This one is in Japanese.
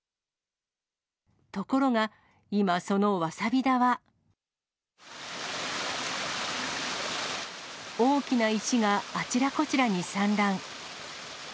ところが、今そのわさび田は。大きな石があちらこちらに散乱。